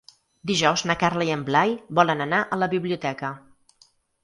Dijous na Carla i en Blai volen anar a la biblioteca.